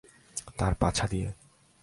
তার পাছা দিয়ে?